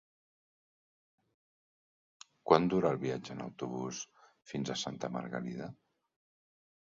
Quant dura el viatge en autobús fins a Santa Margalida?